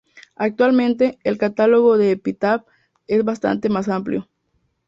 Actualmente, el catálogo de Epitaph es bastante más amplio.